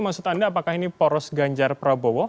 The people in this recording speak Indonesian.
maksud anda apakah ini poros ganjar prabowo